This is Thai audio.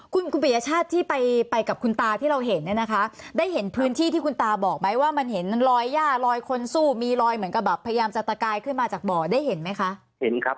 คุณคุณปริยชาติที่ไปไปกับคุณตาที่เราเห็นเนี่ยนะคะได้เห็นพื้นที่ที่คุณตาบอกไหมว่ามันเห็นรอยย่ารอยคนสู้มีรอยเหมือนกับแบบพยายามจะตะกายขึ้นมาจากบ่อได้เห็นไหมคะเห็นครับ